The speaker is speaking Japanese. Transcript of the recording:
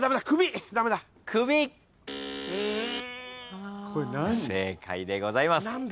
不正解でございます。